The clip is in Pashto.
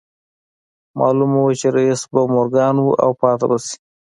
معلومه وه چې رييس به مورګان و او پاتې به شي